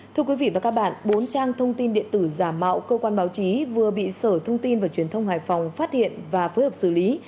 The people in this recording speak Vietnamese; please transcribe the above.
thưa quý vị và các bạn bốn trang thông tin điện tử giả mạo cơ quan báo chí vừa bị sở thông tin và truyền thông hải phòng phát hiện và phối hợp xử lý